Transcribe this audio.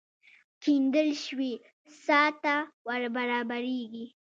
کېندل شوې څاه ته ور برابرېږي.